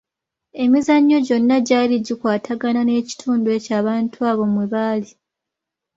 Emizannyo gyonna gyali gikwatagana n’ekitundu ekyo abantu abo mwe bali.